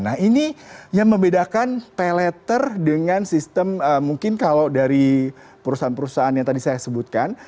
nah ini yang membedakan pay later dengan sistem mungkin kalau dari perusahaan perusahaan yang tadi saya sebutkan